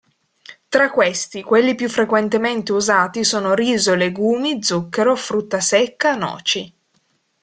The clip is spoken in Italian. Tra questi, quelli più frequentemente usati sono riso, legumi, zucchero, frutta secca, noci.